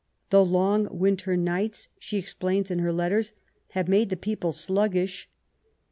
The long winter nights^ she explains in her letters, have made the people sluggish.